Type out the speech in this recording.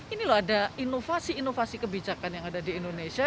ini loh ada inovasi inovasi kebijakan yang ada di indonesia